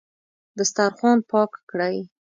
دسترخوان پاک کړئ